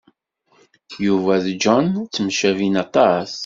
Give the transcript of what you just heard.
Yuba d John ttemcabin aṭas.